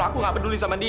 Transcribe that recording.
aku gak peduli sama dia